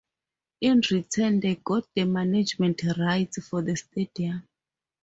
In return, they got the management rights for the stadium.